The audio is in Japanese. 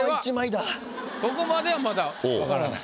ここまではまだわからない。